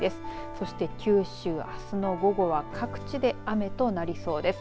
そして九州あすの午後は各地で雨となりそうです。